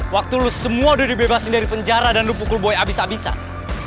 waktu lo semua udah dibebasin dari penjara dan lo pukul boy abis abisan